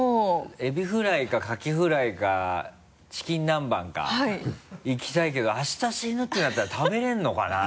エビフライかカキフライかチキン南蛮かいきたいけどあした死ぬってなったら食べれるのかな？